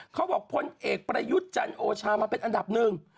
พลเอกประยุทธ์จันโอชามาเป็นอันดับหนึ่ง